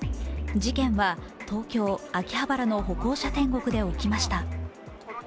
事件は東京・秋葉原の歩行者天国で起きました。